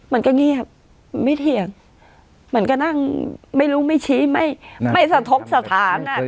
มันก็เงียบไม่เถียงเหมือนก็นั่งไม่รู้ไม่ชี้ไม่สะทกสถาน